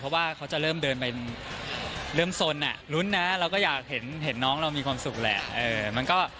เพราะว่าเขาจะเริ่มเดินไปเริ่มสนลุ้นนะเราก็อยากเห็นน้องเรามีความสุขแหละ